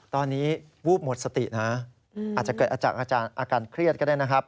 ตอนนี้วูบหมดสตินะอาจจะเกิดจากอาการเครียดก็ได้นะครับ